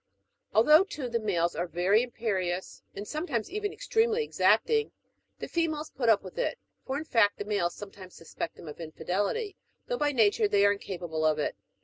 Although, too, the males are veiy imperious, and sometimes even extremely exacting, the females put up with it : for in fact, the males sometimes suspect them of infidelity, though by nature they are incapable of it.